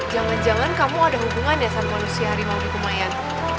jangan jangan kamu ada hubungan ya sama manusia harimau di kumayan